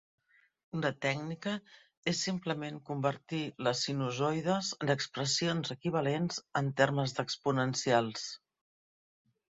Una tècnica és simplement convertir les sinusoides en expressions equivalents en termes d'exponencials.